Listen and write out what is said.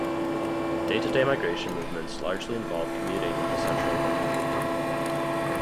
Day-to-day migration movements largely involve commuting into central London.